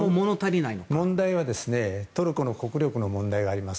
問題はトルコの国力の問題があります。